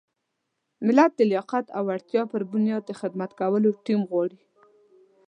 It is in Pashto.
ملت د لیاقت او وړتیا پر بنیاد د خدمت کولو ټیم غواړي.